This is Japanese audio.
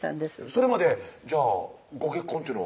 それまでじゃあご結婚というのは？